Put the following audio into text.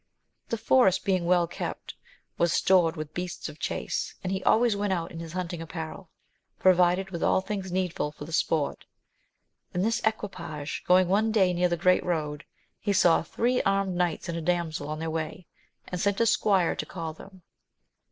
The forest being well kept, was stored with beasts of chace, and he always went out in his hunting apparel, provided with all things needful for the sport. In this equipage going one day near the great road, he saw three armed knights and a damsel on their way, and sent a squire to call them.